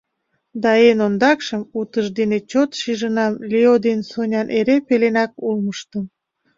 Да эн ондакшым утыждене чот шижынам Лео ден Сонян эре пеленак улмыштым.